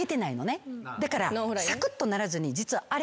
だからサクッとならずに実はあれは。